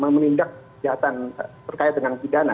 menindak kejahatan terkait dengan pidana